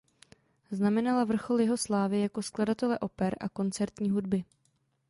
Znamenala vrchol jeho slávy jako skladatele oper a koncertní hudby.